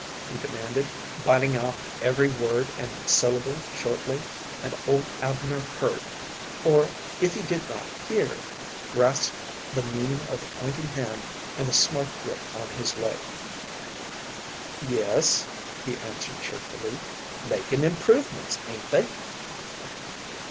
he demanded, biting off every word and syllable shortly, and old Abner heard, or, if he did not hear, grasped the meaning of the pointing hand and the smart grip on his leg. "Yes," he answered, cheerfully, "makin' improvements, ain't they?"